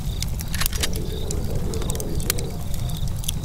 yanditse ku rupapuro rwabigenewe